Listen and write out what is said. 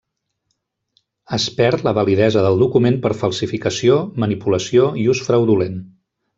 Es perd la validesa del document per falsificació, manipulació i ús fraudulent.